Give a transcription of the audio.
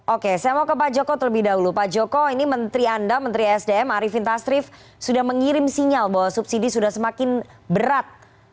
oke saya mau ke pak joko terlebih dahulu pak joko ini menteri anda menteri sdm arifin tasrif sudah mengirim sinyal bahwa subsidi sudah semakin berat